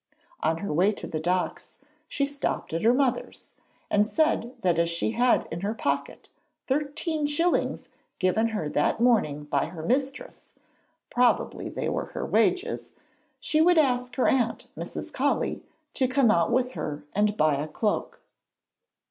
On her way to the Docks she stopped at her mother's, and said that as she had in her pocket thirteen shillings given her that morning by her mistress probably they were her wages she would ask her aunt Mrs. Colley to come out with her and buy a cloak.